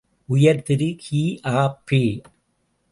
உயர்திரு கி.ஆ.பெ.